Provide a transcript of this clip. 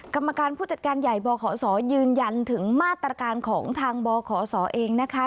กรรมการผู้จัดการใหญ่บขศยืนยันถึงมาตรการของทางบขศเองนะคะ